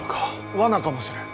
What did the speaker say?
罠かもしれん。